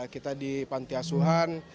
kita di pantiasuhan